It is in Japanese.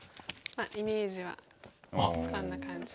イメージはこんな感じ。